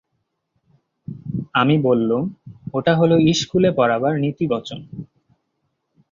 আমি বললুম, ওটা হল ইস্কুলে পড়াবার নীতিবচন।